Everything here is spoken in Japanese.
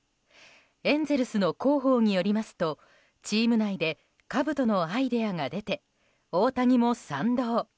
エンゼルスの広報によりますとチーム内でかぶとのアイデアが出て大谷も賛同。